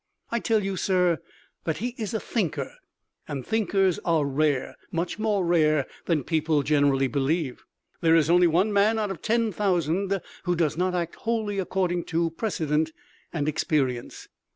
I tell you, sir, that he is a thinker, and thinkers are rare, much more rare than people generally believe. There is only one man out of ten thousand who does not act wholly according to precedent and experience.